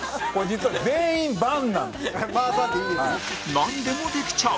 なんでもできちゃう